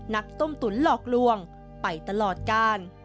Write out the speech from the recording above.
ต้มตุ๋นหลอกลวงไปตลอดกาล